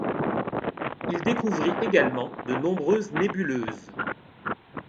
Il découvrit également de nombreuses nébuleuses.